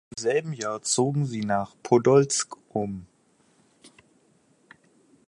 Im selben Jahr zogen sie nach Podolsk um.